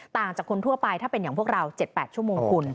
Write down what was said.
ต่างจากคนทั่วไปถ้าเป็นอย่างพวกเรา๗๘ชั่วโมงคุณ